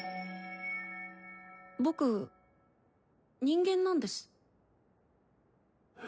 僕人間なんです。え？